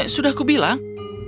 sudah aku bilang